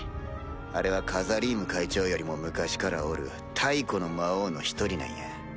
あれはカザリーム会長よりも昔からおる太古の魔王の一人なんや。